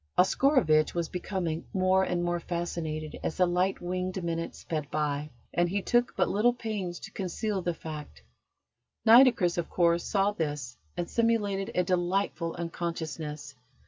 Oscarovitch was becoming more and more fascinated as the light winged minutes sped by, and he took but little pains to conceal the fact. Nitocris, of course, saw this, and simulated a delightful unconsciousness.